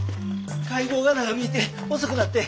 会合が長引いて遅くなって。